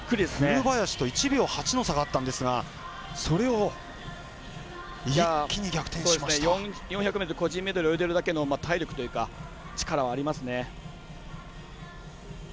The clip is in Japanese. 古林と１秒８の差があったんですが４００ｍ個人メドレー泳いでるだけの体力というか、力はありますね。